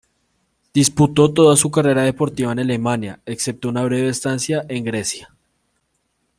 Disputó toda su carrera deportiva en Alemania, excepto por una breve estancia en Grecia.